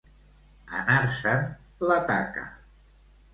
Anar-se'n la taca.